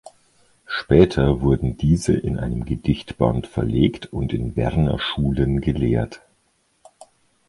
Später wurden diese in einem Gedichtband verlegt und in Berner Schulen gelehrt.